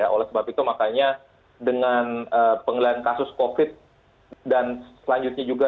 oleh sebab itu makanya dengan pengelan kasus covid sembilan belas dan selanjutnya juga